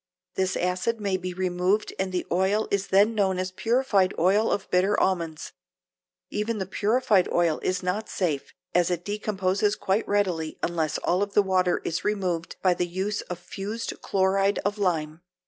This acid may be removed and the oil is then known as purified oil of bitter almonds. Even the purified oil is not safe, as it decomposes quite readily unless all of the water is removed by the use of fused chloride of lime.